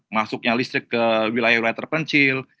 masuknya listrik ke wilayah wilayah terpencil